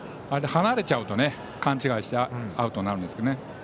離れちゃうと勘違いしてアウトになるんですけどね。